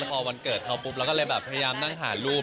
พอวันเกิดเขาปุ๊บเราก็เลยแบบพยายามนั่งหารูป